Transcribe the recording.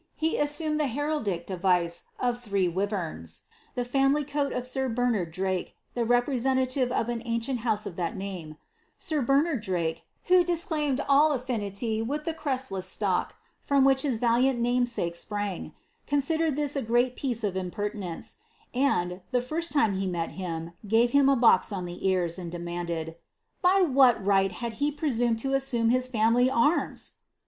he assumed the heraldic device of three wiverns, the family coal of ■'ir Bernard Drake, the representative of an ancient house of that name. Sir Bernard Drake, who disclaimed all alUnily with the creslless stoct from which his valiant namesake sprang, considered this a great piec s the apprenlici s little barque, which p BLIIABBTH. 339 of impertinence, and, the first time he met him, gave him a box on the cars, and demanded, ^ by what ri^ht he had presumed to assume his frmily anns